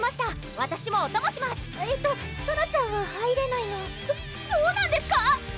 わたしもお供しますえーっとソラちゃんは入れないのそそうなんですか